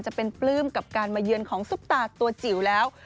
จะเป็นปลื้มกับการมาเยือนของซุปตาตัวจิ๋วแล้ว